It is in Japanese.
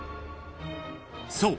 ［そう。